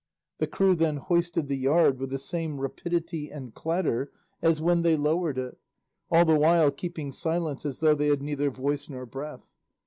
The crew then hoisted the yard with the same rapidity and clatter as when they lowered it, all the while keeping silence as though they had neither voice nor breath.